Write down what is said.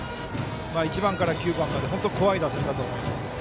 １番から９番まで本当に怖い打線だと思います。